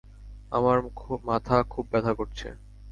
আমার মাথা খুব ব্যাথা করছে।